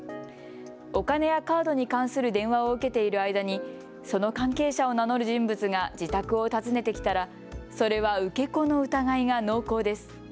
お金やカードに関する電話を受けている間に、その関係者を名乗る人物が自宅を訪ねてきたらそれは受け子の疑いが濃厚です。